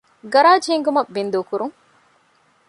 ގަރާޖް ހިންގުމަށް ބިންދޫކުރުން